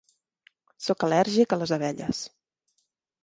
Sóc al·lèrgic a les abelles.